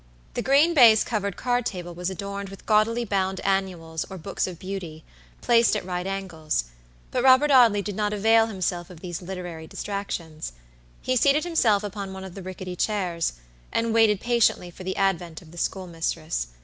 The green baize covered card table was adorned with gaudily bound annuals or books of beauty, placed at right angles; but Robert Audley did not avail himself of these literary distractions. He seated himself upon one of the rickety chairs, and waited patiently for the advent of the schoolmistress.